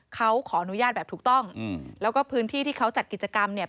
เขาขออนุญาตแบบถูกต้องอืมแล้วก็พื้นที่ที่เขาจัดกิจกรรมเนี่ย